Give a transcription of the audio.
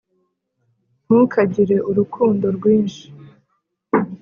ntukagire urukundo rwinshi.